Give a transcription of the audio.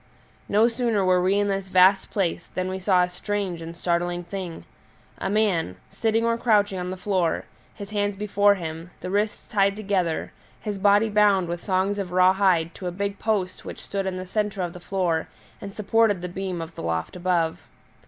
No sooner were we in this vast place than we saw a strange and startling thing a man, sitting or crouching on the floor, his hands before him, the wrists tied together, his body bound with thongs of raw hide to a big post which stood in the centre of the floor and supported the beam of the loft above.